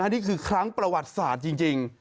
นี่คือครั้งประวัติศาสตร์จริง